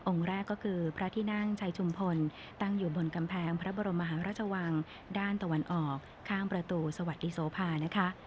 แรกก็คือพระที่นั่งชัยชุมพลตั้งอยู่บนกำแพงพระบรมมหาราชวังด้านตะวันออกข้างประตูสวัสดีโสภานะคะ